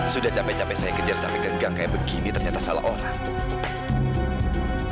sudah capek capek saya kejar sampai ke gang kayak begini ternyata salah orang